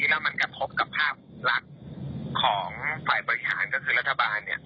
แล้วมันกระทบกับภาพลักษณ์ของฝ่ายบริหารก็คือรัฐบาล